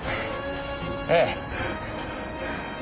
ええ。